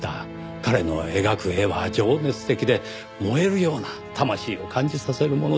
彼の描く絵は情熱的で燃えるような魂を感じさせるものでした。